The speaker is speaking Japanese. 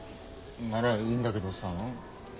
ならいいんだけどさ。